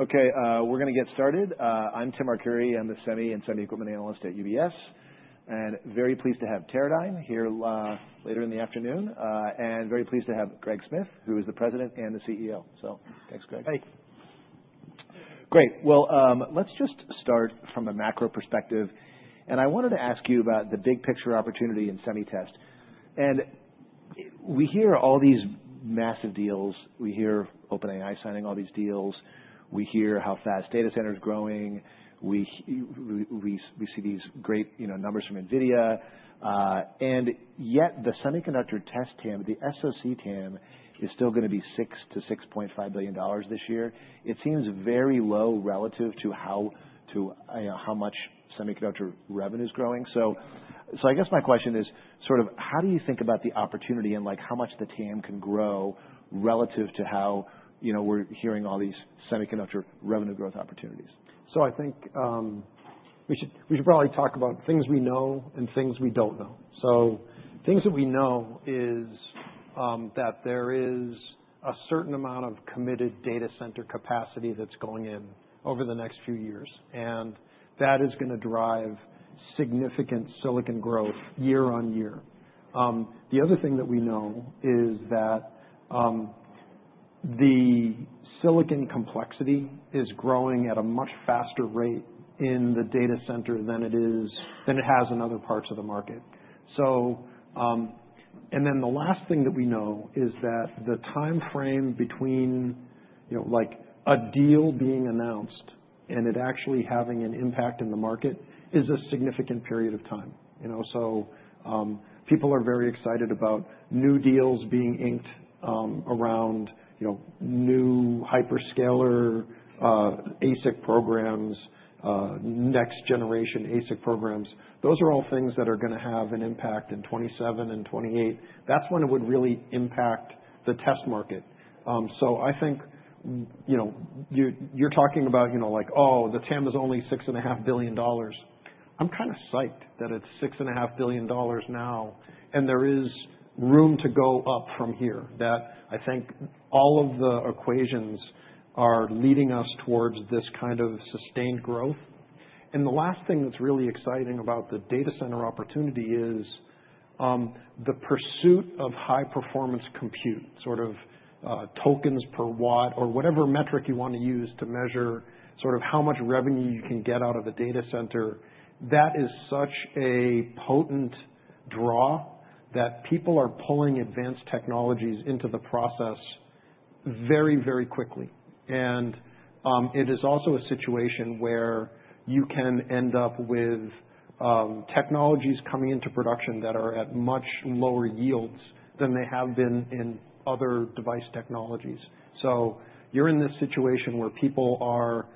Okay, we're gonna get started. I'm Tim Arcuri. I'm the Semi and Semi-Equipment Analyst at UBS, and very pleased to have Teradyne here later in the afternoon and very pleased to have Greg Smith, who is the President and the CEO. So thanks, Greg. Hey. Great. Well, let's just start from a macro perspective, and I wanted to ask you about the big picture opportunity in SemiTest. And we hear all these massive deals. We hear OpenAI signing all these deals. We hear how fast data centers are growing. We see these great, you know, numbers from NVIDIA. And yet the semiconductor test team, the SoC team, is still gonna be $6-$6.5 billion this year. It seems very low relative to how, to, you know, how much semiconductor revenue's growing. So, I guess my question is sort of, how do you think about the opportunity and, like, how much the team can grow relative to how, you know, we're hearing all these semiconductor revenue growth opportunities? I think we should probably talk about things we know and things we don't know. Things that we know is that there is a certain amount of committed data center capacity that's going in over the next few years, and that is gonna drive significant silicon growth year on year. The other thing that we know is that the silicon complexity is growing at a much faster rate in the data center than it is, than it has in other parts of the market. Then the last thing that we know is that the timeframe between, you know, like, a deal being announced and it actually having an impact in the market is a significant period of time, you know. People are very excited about new deals being inked, around, you know, new hyperscaler, ASIC programs, next-generation ASIC programs. Those are all things that are gonna have an impact in 2027 and 2028. That's when it would really impact the test market. So I think, you know, you're, you're talking about, you know, like, "Oh, the TAM is only $6.5 billion." I'm kinda psyched that it's $6.5 billion now, and there is room to go up from here, that I think all of the equations are leading us towards this kind of sustained growth. And the last thing that's really exciting about the data center opportunity is, the pursuit of high-performance compute, sort of, tokens per watt or whatever metric you wanna use to measure sort of how much revenue you can get out of a data center. That is such a potent draw that people are pulling advanced technologies into the process very, very quickly. And it is also a situation where you can end up with technologies coming into production that are at much lower yields than they have been in other device technologies. So you're in this situation where people are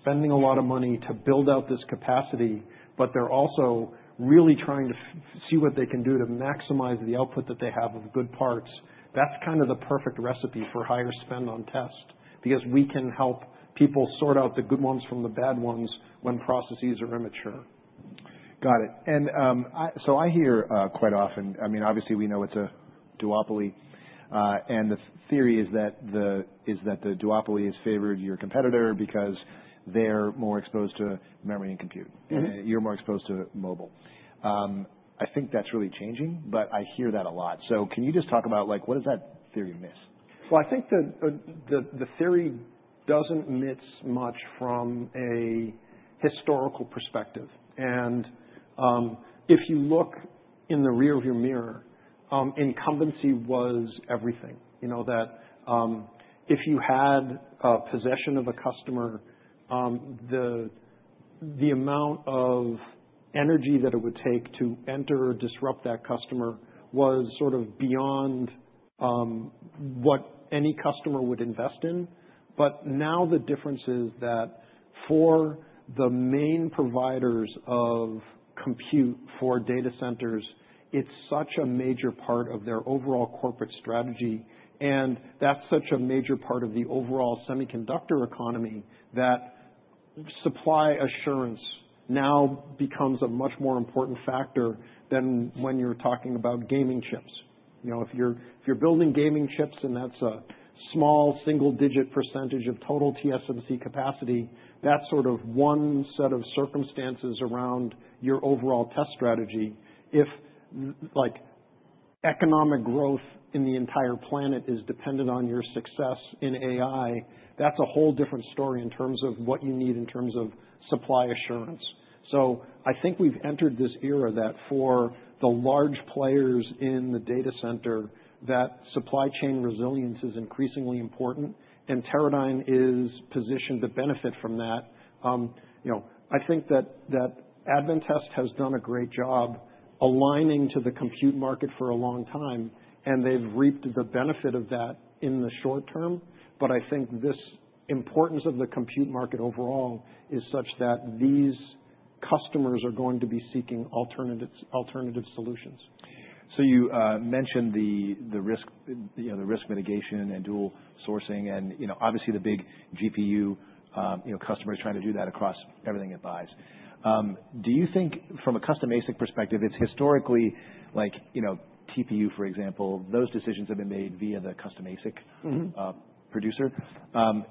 spending a lot of money to build out this capacity, but they're also really trying to see what they can do to maximize the output that they have of good parts. That's kind of the perfect recipe for higher spend on test because we can help people sort out the good ones from the bad ones when processes are immature. Got it. And so I hear, quite often, I mean, obviously we know it's a duopoly, and the theory is that the duopoly has favored your competitor because they're more exposed to memory and compute, and you're more exposed to mobile. I think that's really changing, but I hear that a lot. So can you just talk about, like, what does that theory miss? I think that the theory doesn't miss much from a historical perspective. If you look in the rearview mirror, incumbency was everything, you know, that if you had possession of a customer, the amount of energy that it would take to enter or disrupt that customer was sort of beyond what any customer would invest in. Now the difference is that for the main providers of compute for data centers, it's such a major part of their overall corporate strategy, and that's such a major part of the overall semiconductor economy that supply assurance now becomes a much more important factor than when you're talking about gaming chips. You know, if you're building gaming chips and that's a small single-digit percentage of total TSMC capacity, that's sort of one set of circumstances around your overall test strategy. If, like, economic growth in the entire planet is dependent on your success in AI, that's a whole different story in terms of what you need in terms of supply assurance. So I think we've entered this era that for the large players in the data center, that supply chain resilience is increasingly important, and Teradyne is positioned to benefit from that. You know, I think that Advantest has done a great job aligning to the compute market for a long time, and they've reaped the benefit of that in the short term. But I think this importance of the compute market overall is such that these customers are going to be seeking alternatives, alternative solutions. So you mentioned the risk, you know, the risk mitigation and dual sourcing and, you know, obviously the big GPU, you know, customers trying to do that across everything it buys. Do you think from a custom ASIC perspective, it's historically, like, you know, TPU, for example, those decisions have been made via the custom ASIC. Mm-hmm. Producer.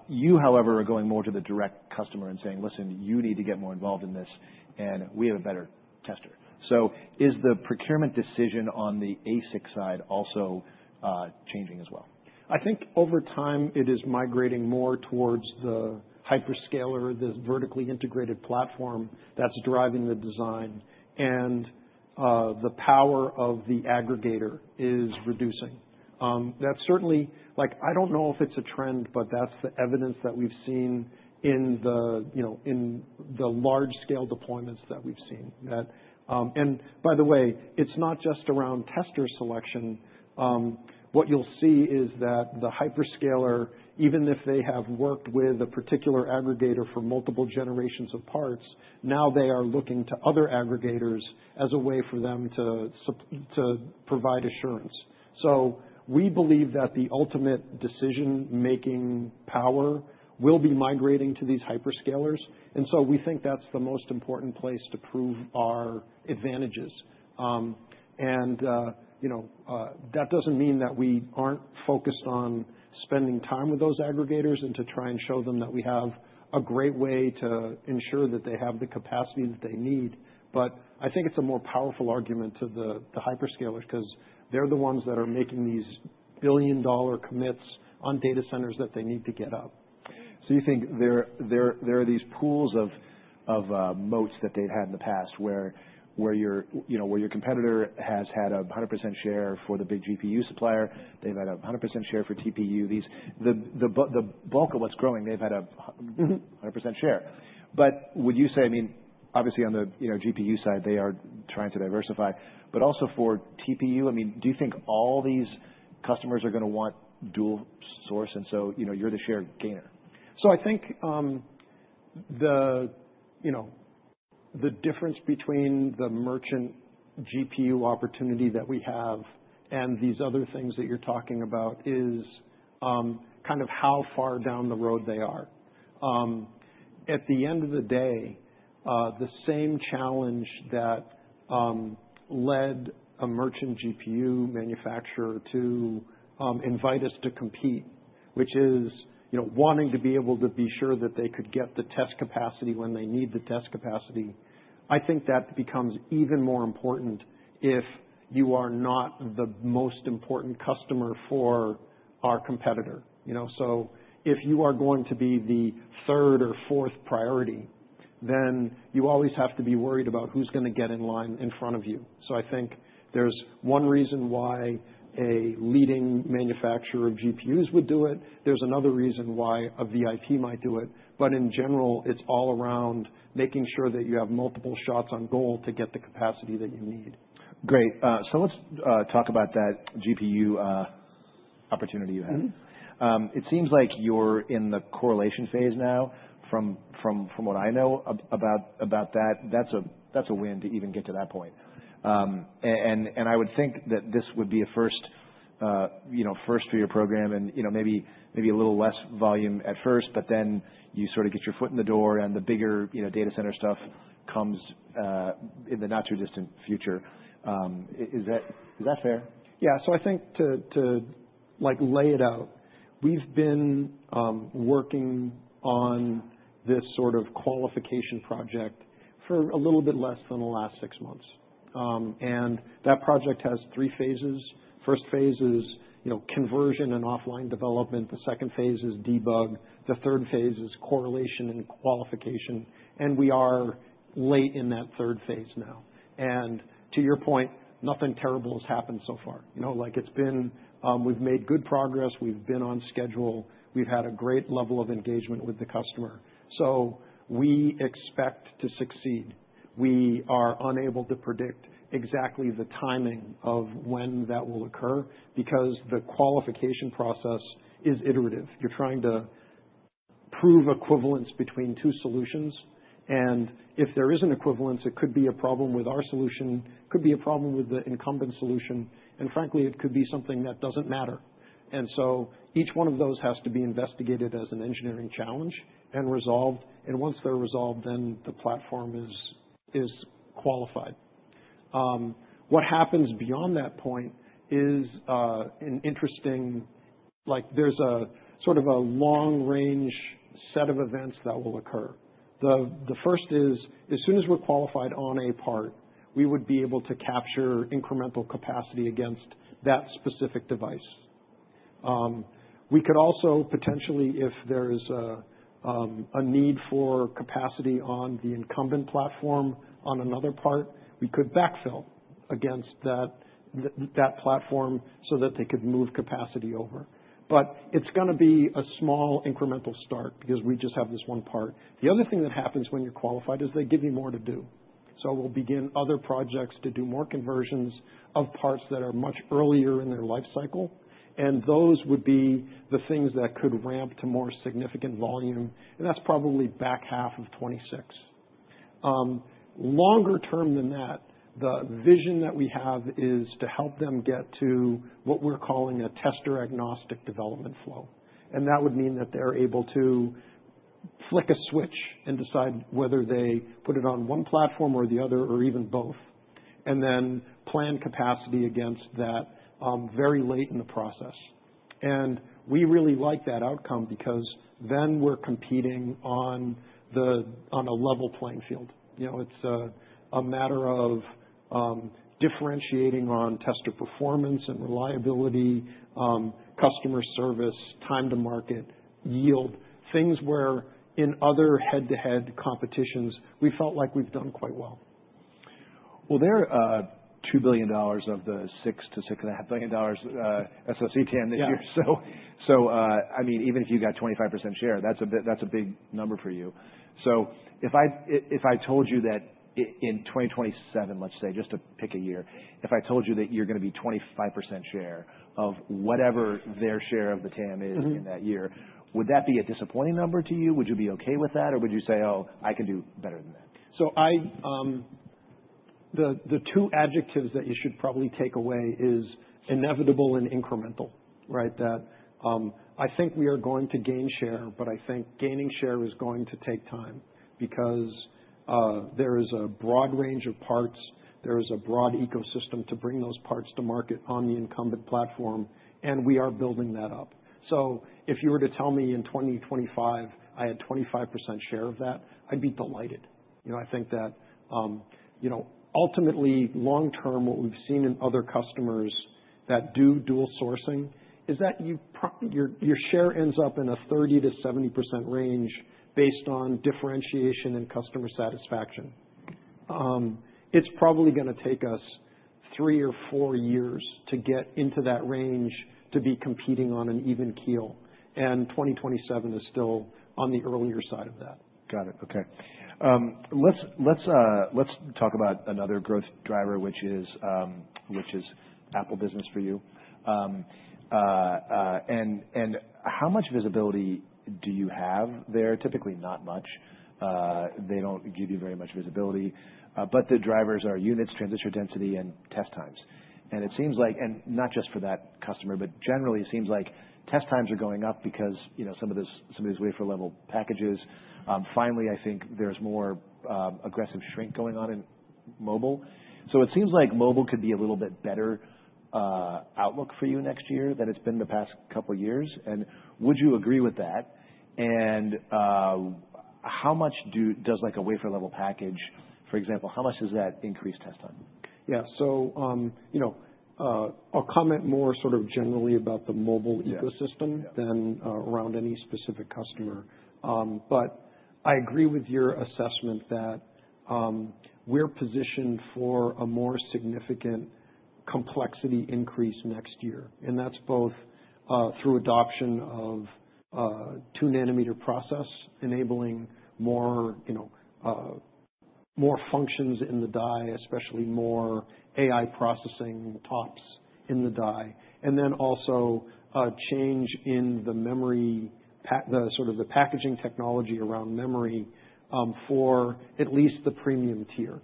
You, however, are going more to the direct customer and saying, "Listen, you need to get more involved in this, and we have a better tester." So is the procurement decision on the ASIC side also changing as well? I think over time it is migrating more towards the hyperscaler, this vertically integrated platform that's driving the design, and the power of the aggregator is reducing. That's certainly, like, I don't know if it's a trend, but that's the evidence that we've seen in the, you know, in the large-scale deployments that we've seen that, and by the way, it's not just around tester selection. What you'll see is that the hyperscaler, even if they have worked with a particular aggregator for multiple generations of parts, now they are looking to other aggregators as a way for them to provide assurance. So we believe that the ultimate decision-making power will be migrating to these hyperscalers, and so we think that's the most important place to prove our advantages. You know, that doesn't mean that we aren't focused on spending time with those aggregators and to try and show them that we have a great way to ensure that they have the capacity that they need. But I think it's a more powerful argument to the hyperscalers 'cause they're the ones that are making these billion-dollar commitments on data centers that they need to get up. So you think there are these pools of moats that they've had in the past where, you know, where your competitor has had a 100% share for the big GPU supplier, they've had a 100% share for TPU. These, the bulk of what's growing, they've had a 100% share. But would you say, I mean, obviously on the, you know, GPU side, they are trying to diversify, but also for TPU, I mean, do you think all these customers are gonna want dual source? And so, you know, you're the share gainer. So I think you know the difference between the merchant GPU opportunity that we have and these other things that you're talking about is kind of how far down the road they are. At the end of the day, the same challenge that led a merchant GPU manufacturer to invite us to compete, which is you know wanting to be able to be sure that they could get the test capacity when they need the test capacity. I think that becomes even more important if you are not the most important customer for our competitor, you know, so if you are going to be the third or fourth priority, then you always have to be worried about who's gonna get in line in front of you. So I think there's one reason why a leading manufacturer of GPUs would do it. There's another reason why a VIP might do it. But in general, it's all around making sure that you have multiple shots on goal to get the capacity that you need. Great. So let's talk about that GPU opportunity you have. Mm-hmm. It seems like you're in the correlation phase now. From what I know about that, that's a win to even get to that point. And I would think that this would be a first, you know, first for your program and, you know, maybe a little less volume at first, but then you sort of get your foot in the door and the bigger, you know, data center stuff comes in the not-too-distant future. Is that fair? Yeah. So I think to like lay it out, we've been working on this sort of qualification project for a little bit less than the last six months, and that project has three phases. First phase is, you know, conversion and offline development. The second phase is debug. The third phase is correlation and qualification. We are late in that third phase now. To your point, nothing terrible has happened so far, you know. Like, it's been. We've made good progress. We've been on schedule. We've had a great level of engagement with the customer. So we expect to succeed. We are unable to predict exactly the timing of when that will occur because the qualification process is iterative. You're trying to prove equivalence between two solutions. And if there is an equivalence, it could be a problem with our solution, could be a problem with the incumbent solution, and frankly, it could be something that doesn't matter. And so each one of those has to be investigated as an engineering challenge and resolved. And once they're resolved, then the platform is qualified. What happens beyond that point is an interesting, like, there's a sort of a long-range set of events that will occur. The first is, as soon as we're qualified on a part, we would be able to capture incremental capacity against that specific device. We could also potentially, if there is a need for capacity on the incumbent platform on another part, we could backfill against that platform so that they could move capacity over. But it's gonna be a small incremental start because we just have this one part. The other thing that happens when you're qualified is they give you more to do. So we'll begin other projects to do more conversions of parts that are much earlier in their life cycle. And those would be the things that could ramp to more significant volume. And that's probably back half of 2026. Longer term than that, the vision that we have is to help them get to what we're calling a tester-agnostic development flow. And that would mean that they're able to flip a switch and decide whether they put it on one platform or the other or even both, and then plan capacity against that, very late in the process. And we really like that outcome because then we're competing on a level playing field. You know, it's a matter of differentiating on tester performance and reliability, customer service, time to market, yield, things where in other head-to-head competitions, we felt like we've done quite well. They're $2 billion of the $6-$6.5 billion SoC TAM this year. So, I mean, even if you got 25% share, that's a big number for you. So if I told you that in 2027, let's say, just to pick a year, if I told you that you're gonna be 25% share of whatever their share of the TAM is in that year, would that be a disappointing number to you? Would you be okay with that? Or would you say, "Oh, I can do better than that"? So, the two adjectives that you should probably take away is inevitable and incremental, right? That, I think we are going to gain share, but I think gaining share is going to take time because there is a broad range of parts. There is a broad ecosystem to bring those parts to market on the incumbent platform, and we are building that up. So if you were to tell me in 2025 I had 25% share of that, I'd be delighted. You know, I think that, you know, ultimately long term, what we've seen in other customers that do dual sourcing is that your share ends up in a 30%-70% range based on differentiation and customer satisfaction. It's probably gonna take us three or four years to get into that range to be competing on an even keel. 2027 is still on the earlier side of that. Got it. Okay. Let's talk about another growth driver, which is Apple business for you. And how much visibility do you have there? Typically not much. They don't give you very much visibility. But the drivers are units, transistor density, and test times. And it seems like, and not just for that customer, but generally it seems like test times are going up because, you know, some of these wafer level packages. Finally, I think there's more aggressive shrink going on in mobile. So it seems like mobile could be a little bit better outlook for you next year than it's been the past couple of years. And would you agree with that? And how much does, like, a wafer level package, for example, how much does that increase test time? Yeah. So, you know, I'll comment more sort of generally about the mobile ecosystem than around any specific customer. But I agree with your assessment that we're positioned for a more significant complexity increase next year. And that's both through adoption of two-nanometer process, enabling more, you know, more functions in the die, especially more AI processing TOPS in the die, and then also change in the memory packaging, the sort of the packaging technology around memory, for at least the premium tier.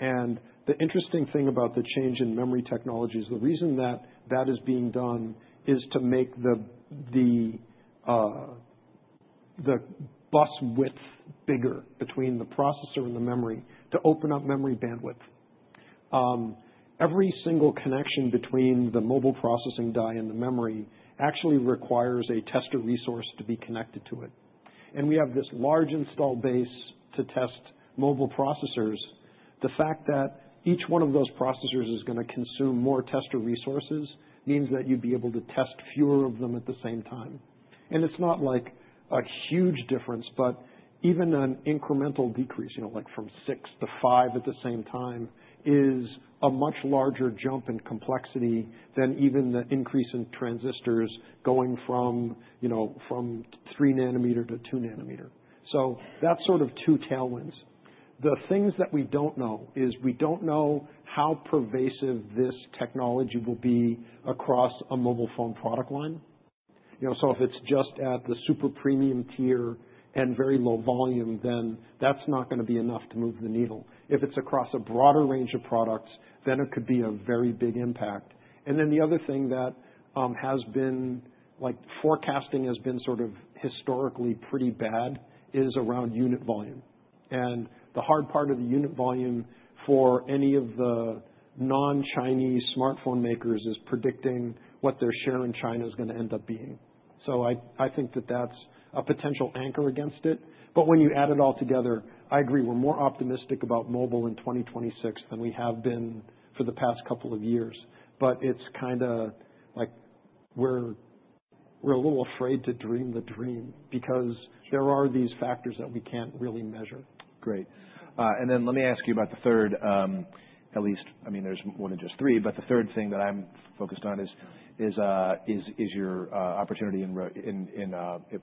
And the interesting thing about the change in memory technology is the reason that that is being done is to make the bus width bigger between the processor and the memory to open up memory bandwidth. Every single connection between the mobile processing die and the memory actually requires a tester resource to be connected to it. We have this large installed base to test mobile processors. The fact that each one of those processors is gonna consume more tester resources means that you'd be able to test fewer of them at the same time. It's not like a huge difference, but even an incremental decrease, you know, like from six to five at the same time is a much larger jump in complexity than even the increase in transistors going from, you know, from 3 nm to 2 nm. So that's sort of two tailwinds. The things that we don't know is we don't know how pervasive this technology will be across a mobile phone product line. You know, so if it's just at the super premium tier and very low volume, then that's not gonna be enough to move the needle. If it's across a broader range of products, then it could be a very big impact, and then the other thing that has been, like, forecasting has been sort of historically pretty bad is around unit volume, and the hard part of the unit volume for any of the non-Chinese smartphone makers is predicting what their share in China is gonna end up being, so I think that that's a potential anchor against it, but when you add it all together, I agree we're more optimistic about mobile in 2026 than we have been for the past couple of years, but it's kinda like we're a little afraid to dream the dream because there are these factors that we can't really measure. Great. And then let me ask you about the third, at least, I mean, there's more than just three, but the third thing that I'm focused on is your opportunity in Cobots.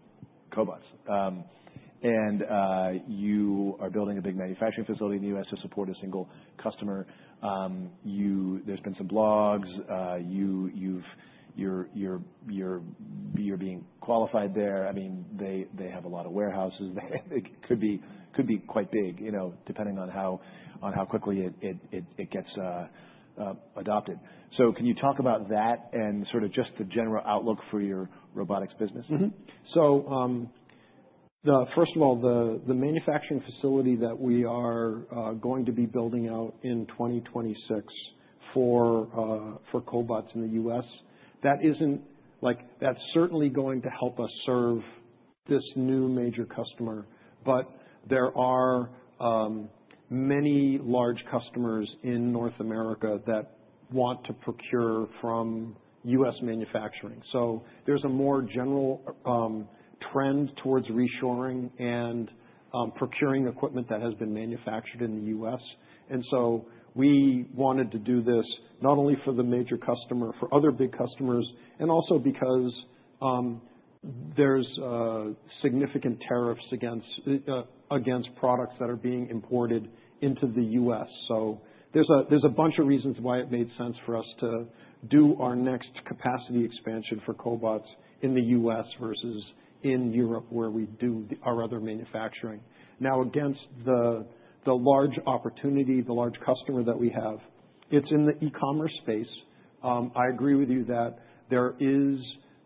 And you are building a big manufacturing facility in the US to support a single customer. There's been some blogs. You're being qualified there. I mean, they have a lot of warehouses there. They could be quite big, you know, depending on how quickly it gets adopted. So can you talk about that and sort of just the general outlook for your robotics business? Mm-hmm. So, first of all, the manufacturing facility that we are going to be building out in 2026 for Cobots in the U.S., that isn't like, that's certainly going to help us serve this new major customer. But there are many large customers in North America that want to procure from U.S. manufacturing. So there's a more general trend towards reshoring and procuring equipment that has been manufactured in the U.S. And so we wanted to do this not only for the major customer, for other big customers, and also because there's significant tariffs against products that are being imported into the U.S. So there's a bunch of reasons why it made sense for us to do our next capacity expansion for Cobots in the U.S. versus in Europe where we do our other manufacturing. Now, against the large opportunity, the large customer that we have, it's in the e-commerce space. I agree with you that there is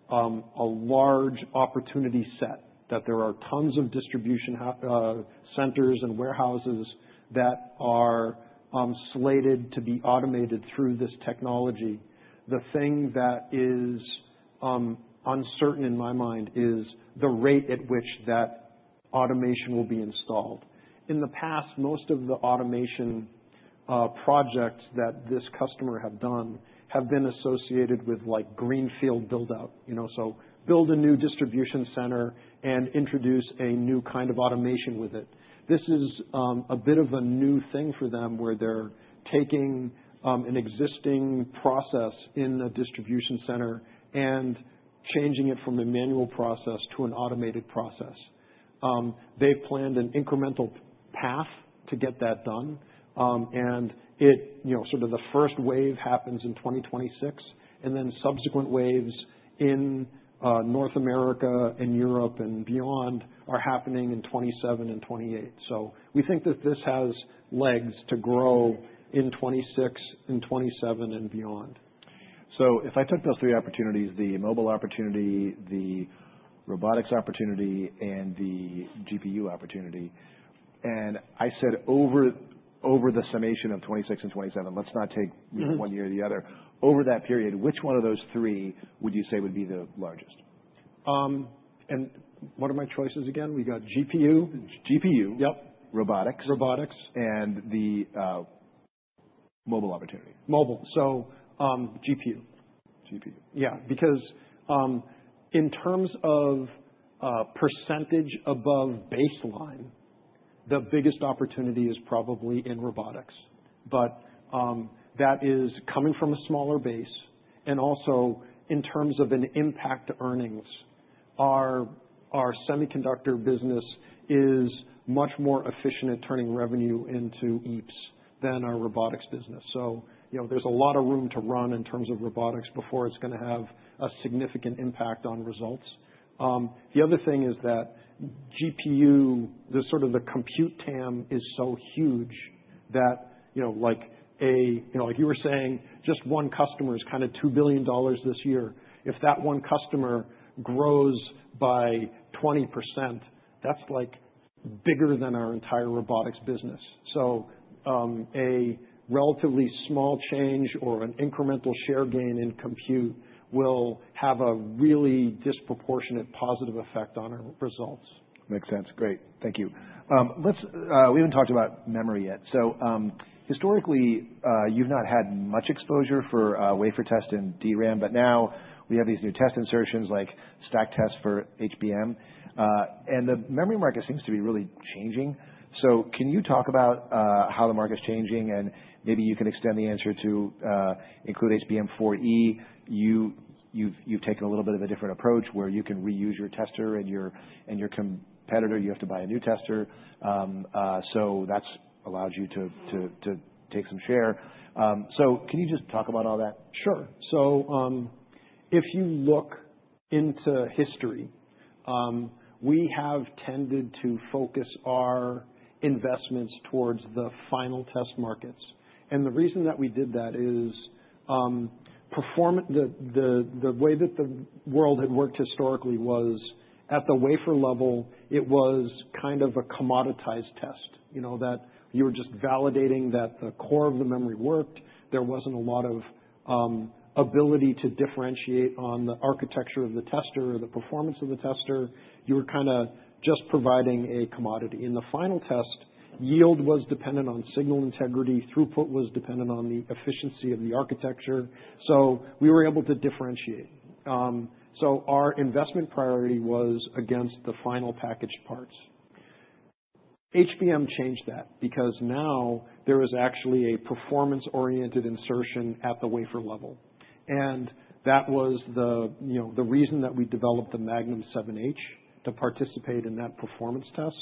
a large opportunity set that there are tons of distribution centers and warehouses that are slated to be automated through this technology. The thing that is uncertain in my mind is the rate at which that automation will be installed. In the past, most of the automation projects that this customer have done have been associated with like greenfield buildout, you know, so build a new distribution center and introduce a new kind of automation with it. This is a bit of a new thing for them where they're taking an existing process in a distribution center and changing it from a manual process to an automated process. They've planned an incremental path to get that done. And it, you know, sort of the first wave happens in 2026, and then subsequent waves in North America and Europe and beyond are happening in 2027 and 2028. So we think that this has legs to grow in 2026 and 2027 and beyond. If I took those three opportunities, the mobile opportunity, the robotics opportunity, and the GPU opportunity, and I said over the summation of 2026 and 2027, let's not take one year or the other. Over that period, which one of those three would you say would be the largest? And what are my choices again? We got GPU. GPU. Yep. Robotics. Robotics. And the mobile opportunity. Mobile. So, GPU. GPU. Yeah. Because, in terms of percentage above baseline, the biggest opportunity is probably in robotics. But that is coming from a smaller base. And also in terms of an impact on earnings, our semiconductor business is much more efficient at turning revenue into EPS than our robotics business. So, you know, there's a lot of room to run in terms of robotics before it's gonna have a significant impact on results. The other thing is that GPU, the sort of the compute TAM is so huge that, you know, like a, you know, like you were saying, just one customer is kinda $2 billion this year. If that one customer grows by 20%, that's like bigger than our entire robotics business. So, a relatively small change or an incremental share gain in compute will have a really disproportionate positive effect on our results. Makes sense. Great. Thank you. Let's. We haven't talked about memory yet. So, historically, you've not had much exposure for wafer test and DRAM, but now we have these new test insertions like stack tests for HBM, and the memory market seems to be really changing. So can you talk about how the market's changing? And maybe you can extend the answer to include HBM4E. You've taken a little bit of a different approach where you can reuse your tester and your competitor. You have to buy a new tester, so that's allowed you to take some share. So can you just talk about all that? Sure. So, if you look into history, we have tended to focus our investments towards the final test markets. And the reason that we did that is, performance, the way that the world had worked historically was at the wafer level, it was kind of a commoditized test, you know, that you were just validating that the core of the memory worked. There wasn't a lot of ability to differentiate on the architecture of the tester or the performance of the tester. You were kinda just providing a commodity. In the final test, yield was dependent on signal integrity. Throughput was dependent on the efficiency of the architecture. So we were able to differentiate. So our investment priority was against the final packaged parts. HBM changed that because now there is actually a performance-oriented insertion at the wafer level. That was the, you know, the reason that we developed the Magnum 7H to participate in that performance test.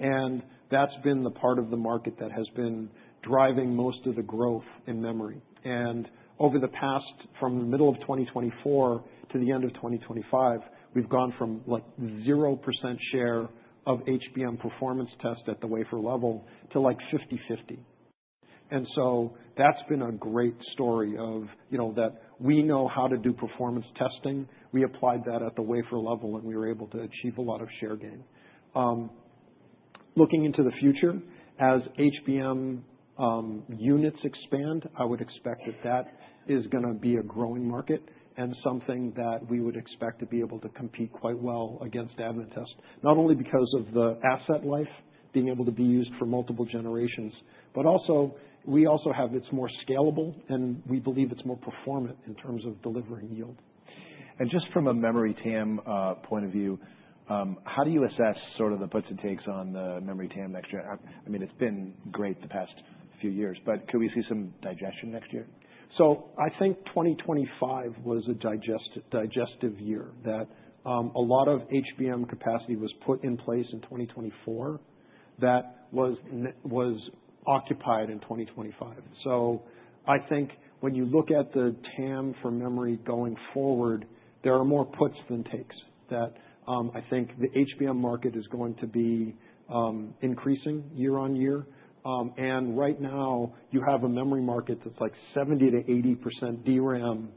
And that's been the part of the market that has been driving most of the growth in memory. And over the past, from the middle of 2024 to the end of 2025, we've gone from like 0% share of HBM performance test at the wafer level to like 50/50. And so that's been a great story of, you know, that we know how to do performance testing. We applied that at the wafer level, and we were able to achieve a lot of share gain. Looking into the future, as HBM units expand, I would expect that is gonna be a growing market and something that we would expect to be able to compete quite well against Advantest, not only because of the asset life being able to be used for multiple generations, but also we also have it's more scalable, and we believe it's more performant in terms of delivering yield. Just from a memory TAM point of view, how do you assess sort of the puts and takes on the memory TAM next year? I mean, it's been great the past few years, but could we see some digestion next year? So I think 2025 was a digestion year that a lot of HBM capacity was put in place in 2024 that was occupied in 2025. So I think when you look at the TAM for memory going forward, there are more puts than takes that I think the HBM market is going to be increasing year on year. And right now you have a memory market that's like 70%-80% DRAM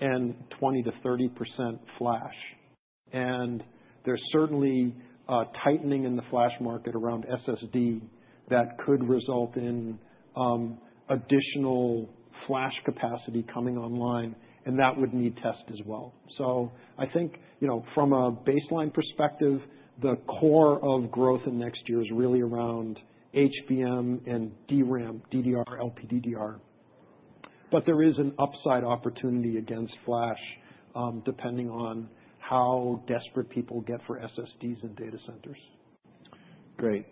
and 20%-30% flash. And there's certainly tightening in the flash market around SSD that could result in additional flash capacity coming online, and that would need test as well. So I think, you know, from a baseline perspective, the core of growth in next year is really around HBM and DRAM, DDR, LPDDR. But there is an upside opportunity against flash, depending on how desperate people get for SSDs and data centers. Great.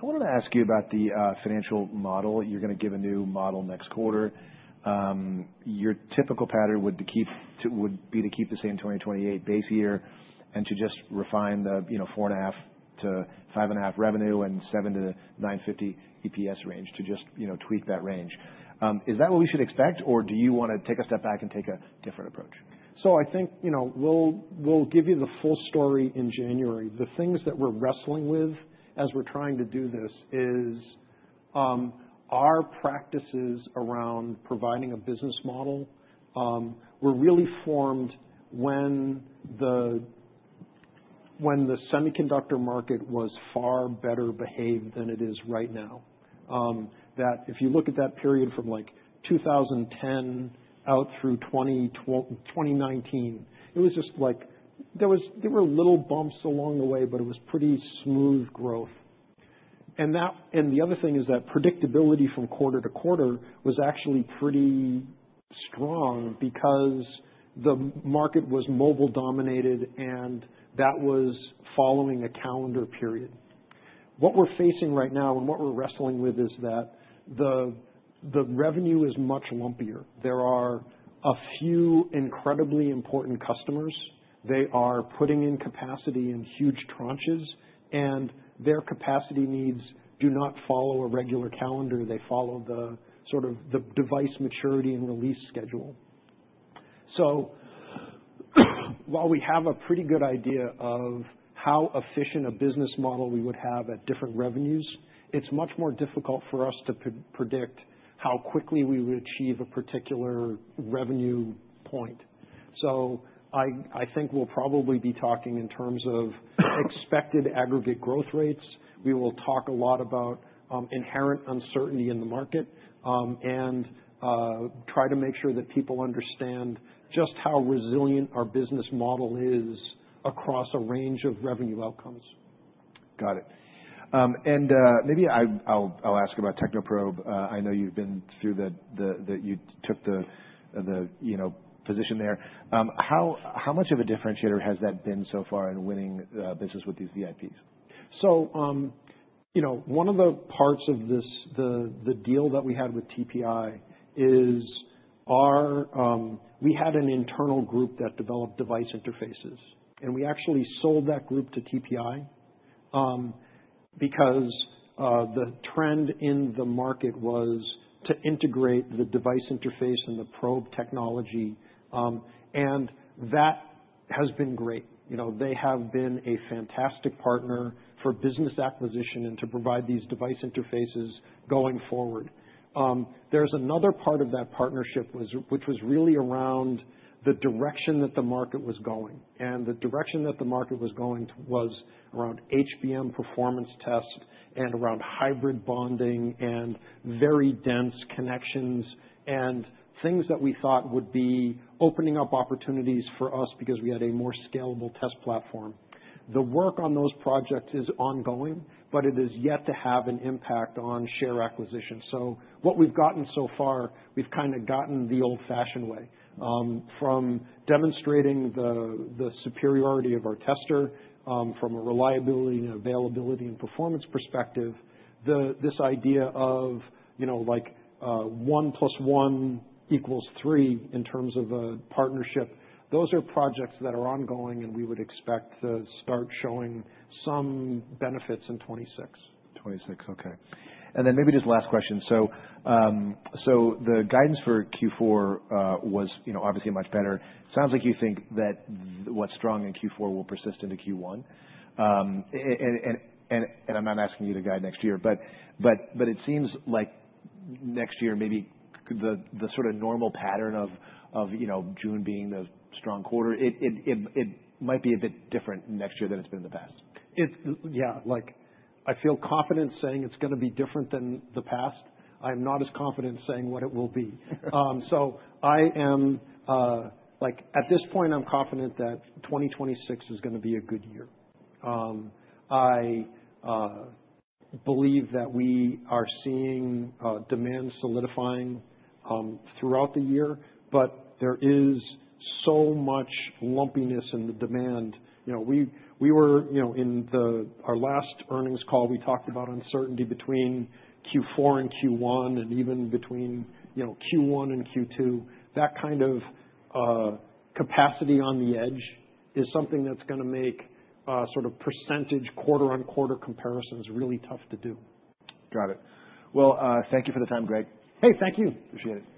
I wanted to ask you about the financial model. You're gonna give a new model next quarter. Your typical pattern would be to keep the same 2028 base year and to just refine the, you know, $4.5-$5.5 and a half revenue and $7-$9.50 EPS range to just, you know, tweak that range. Is that what we should expect, or do you wanna take a step back and take a different approach? So I think, you know, we'll give you the full story in January. The things that we're wrestling with as we're trying to do this is, our practices around providing a business model, were really formed when the semiconductor market was far better behaved than it is right now. That if you look at that period from like 2010 out through 2019, it was just like there were little bumps along the way, but it was pretty smooth growth. And that, and the other thing is that predictability from quarter to quarter was actually pretty strong because the market was mobile dominated, and that was following a calendar period. What we're facing right now and what we're wrestling with is that the revenue is much lumpier. There are a few incredibly important customers. They are putting in capacity in huge tranches, and their capacity needs do not follow a regular calendar. They follow sort of the device maturity and release schedule. So while we have a pretty good idea of how efficient a business model we would have at different revenues, it's much more difficult for us to predict how quickly we would achieve a particular revenue point. So I think we'll probably be talking in terms of expected aggregate growth rates. We will talk a lot about inherent uncertainty in the market, and try to make sure that people understand just how resilient our business model is across a range of revenue outcomes. Got it, and maybe I'll ask about Technoprobe. I know you've been through the, that you took the, you know, position there. How much of a differentiator has that been so far in winning business with these VIPs? So, you know, one of the parts of this, the deal that we had with TPI is, we had an internal group that developed device interfaces, and we actually sold that group to TPI, because the trend in the market was to integrate the device interface and the probe technology, and that has been great. You know, they have been a fantastic partner for business acquisition and to provide these device interfaces going forward. There’s another part of that partnership, which was really around the direction that the market was going. The direction that the market was going was around HBM performance test and around hybrid bonding and very dense connections and things that we thought would be opening up opportunities for us because we had a more scalable test platform. The work on those projects is ongoing, but it is yet to have an impact on share acquisition. So what we've gotten so far, we've kinda gotten the old-fashioned way, from demonstrating the superiority of our tester, from a reliability and availability and performance perspective, this idea of, you know, like, one plus one equals three in terms of a partnership. Those are projects that are ongoing, and we would expect to start showing some benefits in 2026. Okay. And then maybe just last question. So, the guidance for Q4 was, you know, obviously much better. Sounds like you think that what's strong in Q4 will persist into Q1. And I'm not asking you to guide next year, but it seems like next year maybe the sort of normal pattern of, you know, June being the strong quarter, it might be a bit different next year than it's been in the past. It, yeah, like I feel confident saying it's gonna be different than the past. I'm not as confident saying what it will be. So I am, like at this point, I'm confident that 2026 is gonna be a good year. I believe that we are seeing demand solidifying throughout the year, but there is so much lumpiness in the demand. You know, we were, you know, in our last earnings call, we talked about uncertainty between Q4 and Q1 and even between, you know, Q1 and Q2. That kind of capacity on the edge is something that's gonna make sort of percentage quarter on quarter comparisons really tough to do. Got it. Thank you for the time, Greg. Hey, thank you. Appreciate it. Bye.